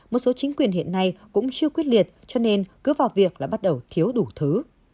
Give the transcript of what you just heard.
một số chính quyền hiện nay cũng chưa quyết liệt cho nên cứ vào việc là bắt đầu thiếu đủ thứ